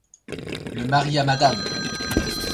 Le mari à madame !